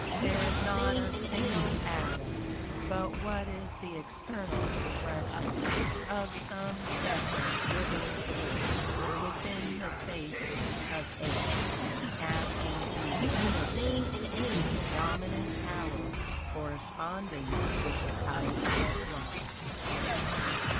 There is not a single atom but what is the external expression of some separate, living force, within the spaces of Aeth, acting in unison with the dominant power corresponding with the type of life.